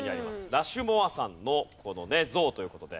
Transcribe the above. ラシュモア山のこのね像という事で。